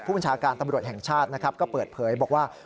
ผู้บัญชาการตำรวจแห่งชาติก็เปิดเผยบอกว่า